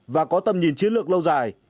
và có tầm nhìn chiến lược lâu dài